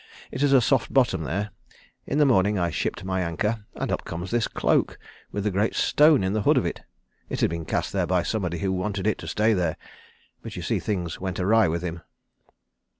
It is a soft bottom there. In the morning I shipped my anchor, and up comes this cloak with a great stone in the hood of it. It had been cast there by somebody who wanted it to stay there, but you see things went awry with him."